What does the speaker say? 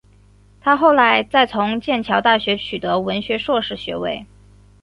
她后来再从剑桥大学取得文学硕士学位。